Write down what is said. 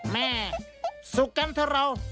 แม่สุขกันเถอะเรา